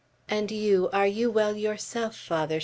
"And you, are you well yourself, Father?"